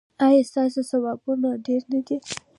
ایا ستاسو ثوابونه ډیر نه دي؟